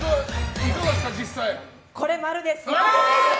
これ、○です。